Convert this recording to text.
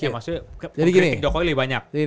maksudnya kritik jokowi lebih banyak